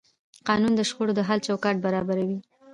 قانون د شخړو د حل چوکاټ برابروي.